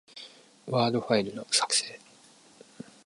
ワードファイルの、作成